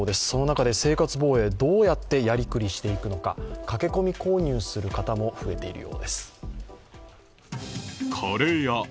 その中で生活防衛ど、うやってやりくりしていくのか駆け込み購入する方も増えているようです。